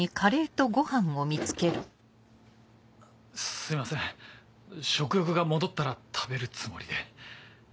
すいません食欲が戻ったら食べるつもりで。